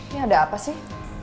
ini ada apa sih